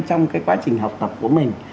trong cái quá trình học tập của mình